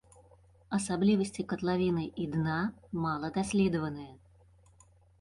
Асаблівасці катлавіны і дна мала даследаваныя.